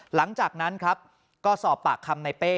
หลังจากนั้นครับก็สอบปากคำในเป้